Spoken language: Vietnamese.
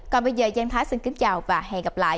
còn bây giờ giang thái xin kính chào và hẹn gặp lại